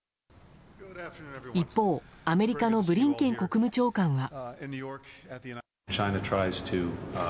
一方、アメリカのブリンケン国務長官は。